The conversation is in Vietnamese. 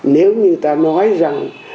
nếu như ta nói rằng